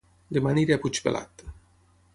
Dema aniré a Puigpelat